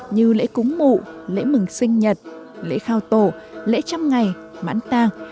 như lễ cúng mụ lễ mừng sinh nhật lễ khao tổ lễ trăm ngày mãn tang